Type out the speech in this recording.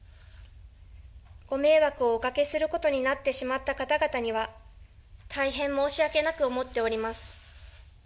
ご迷惑をおかけすることになってしまった方々には、大変申し訳なく思っております。